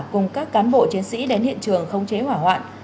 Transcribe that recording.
cùng các cán bộ chiến sĩ đến hiện trường không chế hỏa hoạn